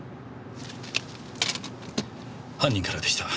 犯人からでした。